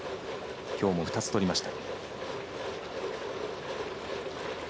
きょうも２つとりました。